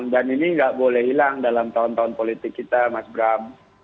dan ini tidak boleh hilang dalam tahun tahun politik kita mas bram